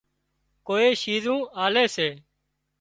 ڪوئي شِيزُون آلي سي